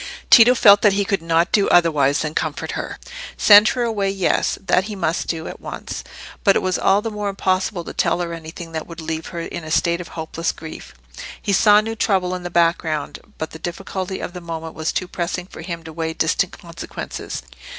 Tito felt that he could not do otherwise than comfort her. Send her away—yes; that he must do, at once. But it was all the more impossible to tell her anything that would leave her in a state of hopeless grief. He saw new trouble in the background, but the difficulty of the moment was too pressing for him to weigh distant consequences.